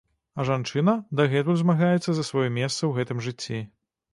А жанчына дагэтуль змагаецца за сваё месца ў гэтым жыцці.